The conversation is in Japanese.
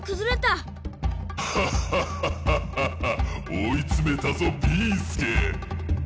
おいつめたぞビーすけ！